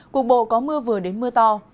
cục bộ có mưa vừa đến mưa to